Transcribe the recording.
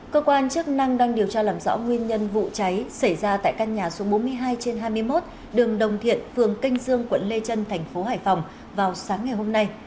cơ quan chức năng đang điều tra làm rõ nguyên nhân vụ cháy xảy ra tại căn nhà số bốn mươi hai trên hai mươi một đường đồng thiện phường kinh dương quận lê trân thành phố hải phòng vào sáng ngày hôm nay